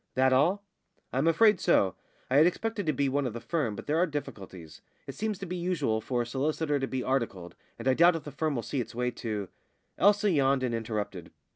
"That all?" "I'm afraid so. I had expected to be one of the firm, but there are difficulties. It seems to be usual for a solicitor to be articled, and I doubt if the firm will see its way to " Elsa yawned and interrupted.